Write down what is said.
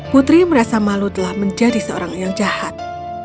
putri merasa malu telah menjadi seorang yang jahat